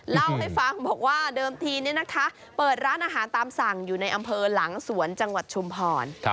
เล่าให้ฟังบอกว่าเดิมทีเปิดร้านอาหารตามสั่งอยู่ในอำเภอหลังสวนจังหวัดชุมพร